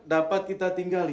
sekedar dapat kita tinggali